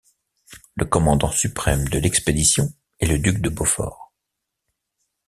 Le commandant suprême de l'expédition est le duc de Beaufort.